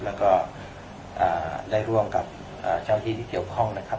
แล้วก็ได้ร่วมกับเจ้าที่ที่เกี่ยวข้องนะครับ